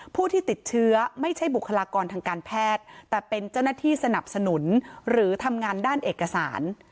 ผู้ที่ติดเชื้อไม่ใช่บุคลากรทางการแพทย์แต่เป็นเจ้าหน้าที่สนับสนุนหรือทำงานด้านเอกสาร